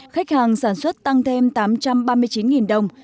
khách hàng sản xuất tăng thêm tám trăm ba mươi chín đồng